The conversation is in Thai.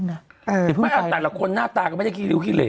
ไม่อ่าแต่ละคนน่าตาก็ไม่ได้กินเดียวกินเลย